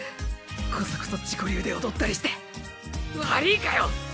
コソコソ自己流で踊ったりして悪ぃかよ！